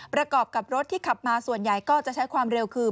ประกอบกับรถที่ขับมาส่วนใหญ่ก็จะใช้ความเร็วคือ